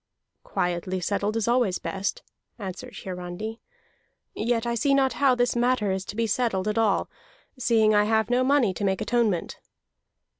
"Quietly settled is always best," answered Hiarandi. "Yet I see not how this matter is to be settled at all, seeing I have no money to make atonement."